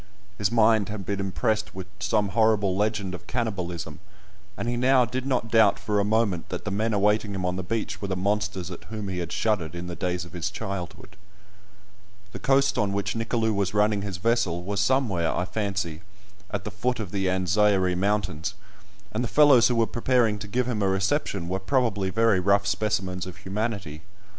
His mind had been impressed with some horrible legend of cannibalism, and he now did not doubt for a moment that the men awaiting him on the beach were the monsters at whom he had shuddered in the days of his childhood. The coast on which Nicolou was running his vessel was somewhere, I fancy, at the foot of the Anzairie Mountains, and the fellows who were preparing to give him a reception were probably very rough specimens of humanity.